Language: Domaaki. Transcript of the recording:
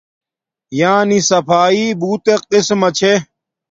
یانی صفایݵ بوتک قسمہ چھے